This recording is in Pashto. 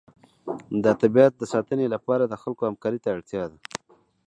د طبیعت د ساتنې لپاره د خلکو همکارۍ ته اړتیا ده.